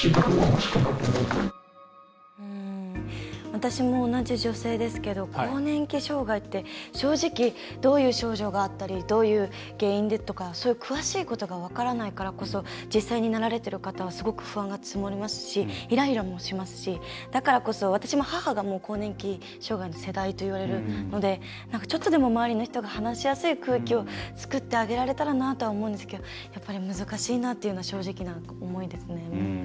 私も、同じ女性ですけど更年期障害って正直どういう症状があったりどういう原因でってそういう詳しいことが分からないからこそ実際に、なられている方はすごく不安が募りますしイライラもしますしだからこそ、私も母がもう更年期障害の世代といわれるのでちょっとでも、周りの人が話しやすい空気を作ってあげられたらなと思うんですけどやっぱり難しいなというのが正直な思いですね。